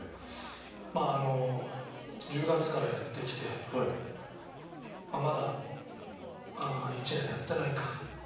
まああの１０月からやってきてまだ１年やってないか。